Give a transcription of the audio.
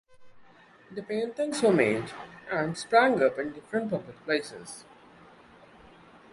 The paintings were made and sprang up in different public places.